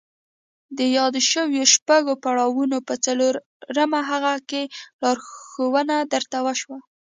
د يادو شويو شپږو پړاوونو په څلورم هغه کې لارښوونه درته وشوه.